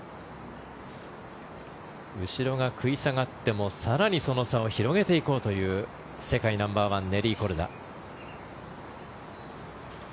後ろが食い下がっても更にその差を広げていこうという世界ナンバーワンネリー・コルダ。